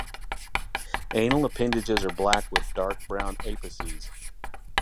Anal appendages are black with dark brown apices.